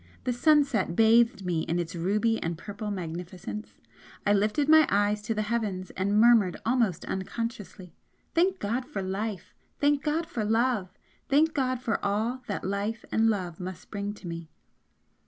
The sunset bathed me in its ruby and purple magnificence, I lifted my eyes to the heavens and murmured almost unconsciously "Thank God for Life! Thank God for Love! Thank God for all that Life and Love must bring to me!"